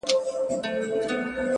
ستا په يادونو كي راتېره كړله”